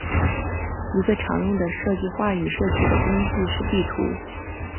一个常用的设计话语社区的工具是地图。